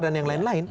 dan yang lain lain